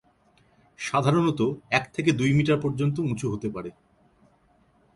সাধারণত এক থেকে দুই মিটার পর্যন্ত উঁচু হতে পারে।